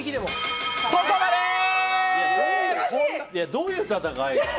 どういう戦い？